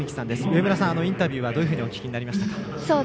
上村さん、インタビューはどういうふうにお聞きになりましたか。